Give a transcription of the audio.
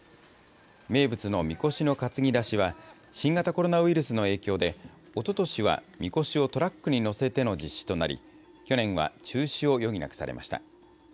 名物のみこしの担ぎ出しは、新型コロナウイルスの影響でおととしはみこしをトラックに乗せての実施となり、去年は中止を余儀なくされました。